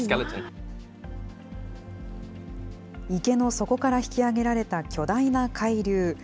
池の底から引き上げられた巨大な海竜。